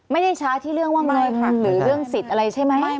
ไม่ได้ช้าที่เรื่องว่าเงินหักหรือเรื่องสิทธิ์อะไรใช่ไหม